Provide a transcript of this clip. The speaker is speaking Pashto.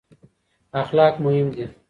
اخلاق مهم دي.